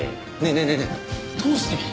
えどうして？